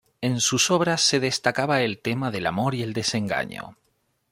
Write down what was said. En sus obras se destacaba el tema del amor y el desengaño.